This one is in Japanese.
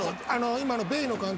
今のベイの監督